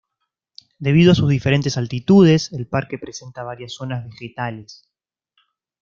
Debido a sus diferentes altitudes, el parque presenta varias zonas vegetales.